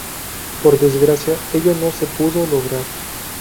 Por desgracia ello no se pudo lograr.